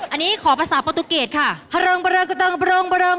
อันนี้ขอภาษาประตูเกรดค่ะ